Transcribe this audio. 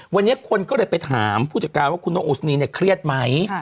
วันนี้คนก็เลยไปถามผู้จัดการว่าคุณนกอุศนีเนี่ยเครียดไหม